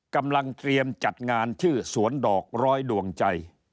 กำลังเตรียมจัดงานชื่อสวนดอกร้อยดวงใจ